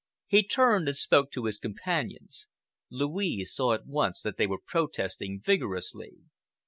He turned and spoke to his companions. Louise saw at once that they were protesting vigorously.